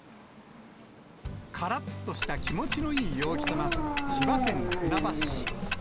からっとした気持ちのいい陽気となった千葉県船橋市。